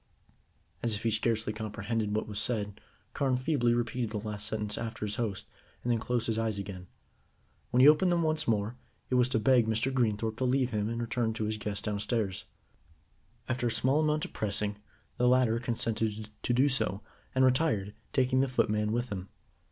As if he scarcely comprehended what was said, Carne feebly repeated the last sentence after his host, and then closed his eyes again. When he opened them once more, it was to beg Mr. Greenthorpe to leave him and return to his guests downstairs. After a small amount of pressing, the latter consented to do so, and retired, taking the footman with him.